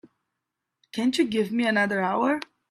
Can't you give me another hour?